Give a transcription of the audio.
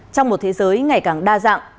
trong một thế giới ngày càng đa dạng